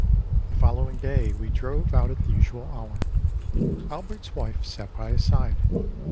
â The following day we drove out at the usual hour. Albertâs wife sat by his side.